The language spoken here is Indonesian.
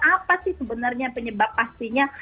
apa sih sebenarnya penyebab pastinya